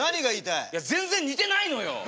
いや全然似てないのよ！